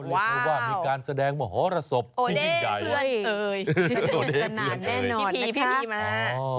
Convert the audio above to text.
ว้าวเรียกว่ามีการแสดงมหรสบพี่ยิ่งใจว่ะโอเดเพื่อนแน่นอนนะค่ะพี่พี่มาแล้ว